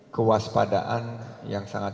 kewaspadaan yang sangat